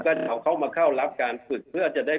ก็เอาเข้ามาเข้ารับการฝึกเพื่อจะได้